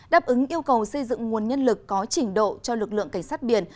đáp ứng yêu cầu xây dựng nguồn nhân lực có trình độ cho lực lượng cảnh sát biển